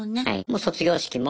卒業式の？